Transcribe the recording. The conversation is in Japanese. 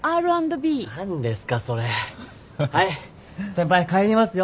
先輩帰りますよ。